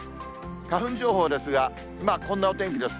花粉情報ですが、こんなお天気です。